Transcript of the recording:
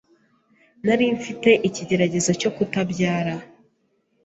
nari mfite ikigeragezo cyo kutabyara .